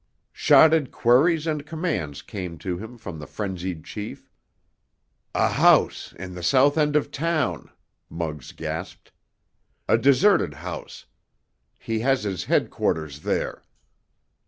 Shotted queries and commands came to him from the frenzied chief. "A house—in the south end of town!" Muggs gasped. "A deserted house—he has his headquarters there!